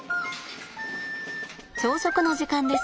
朝食の時間です。